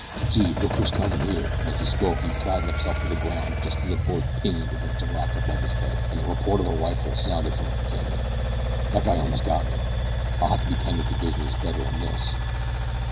Gee! Look who's comin' here," and as he spoke he flattened himself to the ground just as a bullet pinged against the rock above his head and the report of a rifle sounded from up the canyon. "That guy most got me. I'll have to be 'tendin' to business better'n this."